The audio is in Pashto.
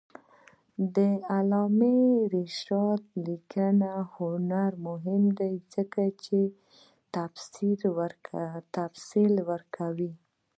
د علامه رشاد لیکنی هنر مهم دی ځکه چې تفصیل ورکوي.